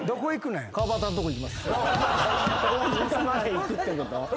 行くってこと？